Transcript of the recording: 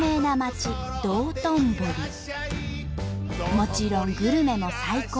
もちろんグルメも最高。